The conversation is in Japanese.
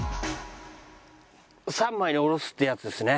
三枚におろすってやつですね。